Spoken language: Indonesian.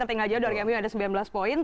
tertinggal jodor jemim ada sembilan belas poin